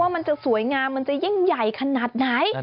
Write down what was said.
มันจะสวยงามมันจะยิ่งใหญ่ขนาดไหน